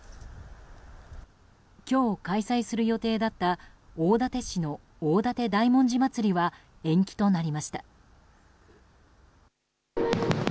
今日、開催する予定だった大館市の大館大文字まつりは延期となりました。